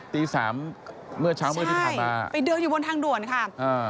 ตีสามเมื่อเช้ามืดที่ผ่านมาไปเดินอยู่บนทางด่วนค่ะอ่า